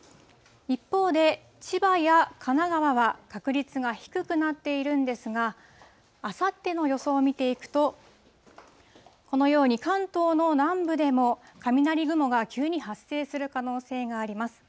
一方で、千葉や神奈川は確率が低くなっているんですが、あさっての予想を見ていくと、このように関東の南部でも、雷雲が急に発生する可能性があります。